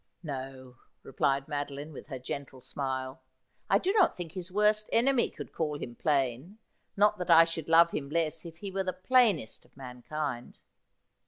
' No,' replied Madoline, with her gentle smile ;' I do not think his worst enemy could call him plain— not that I should love him less if he were the plainest of mankind.'